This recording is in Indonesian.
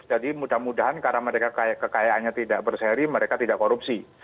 jadi mudah mudahan karena mereka kekayaannya tidak berseri mereka tidak korupsi